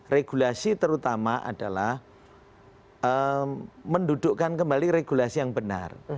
regulasi terutama adalah mendudukkan kembali regulasi yang benar